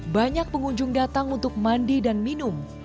banyak pengunjung datang untuk mandi dan minum